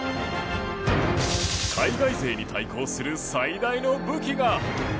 海外勢に対抗する最大の武器が。